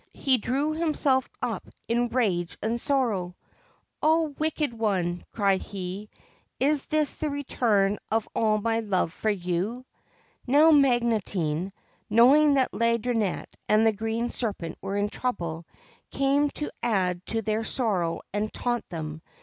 He drew himself up in rage and sorrow :' O wicked one I ' cried he ; 'is this the return for all my love for you ?' Now Magotine, knowing that Laideronnette and the Green Serpent were in trouble, came to add to their sorrow and taunt them.